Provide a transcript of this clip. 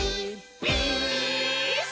ピース！」